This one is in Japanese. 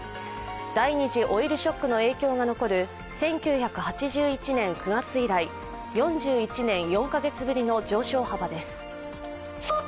第二次オイルショックの影響が残る１９８１年９月以来、４１年４か月ぶりの上昇幅です。